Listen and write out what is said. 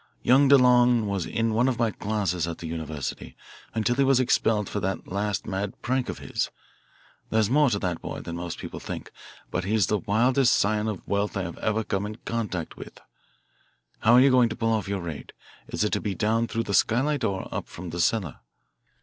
Young DeLong was in one of my classes at the university, until he was expelled for that last mad prank of his. There's more to that boy than most people think, but he's the wildest scion of wealth I have ever come in contact with. How are you going to pull off your raid is it to be down through the skylight or up from the cellar?"